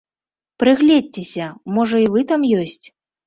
Прыгледзьцеся, можа і вы там ёсць?